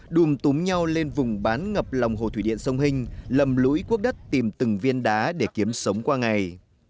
đùm túm nhau lên vùng bán ngập lòng hồ thủy điện sông hình lầm lỗi quốc đất tìm từng viên đá để kiếm sống qua ngày